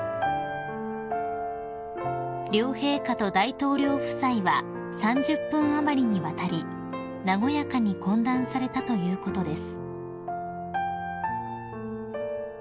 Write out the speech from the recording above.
［両陛下と大統領夫妻は３０分余りにわたり和やかに懇談されたということです］